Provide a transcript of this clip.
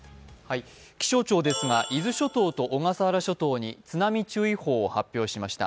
気象庁ですが、伊豆諸島と小笠原諸島に津波注意報を発表しました。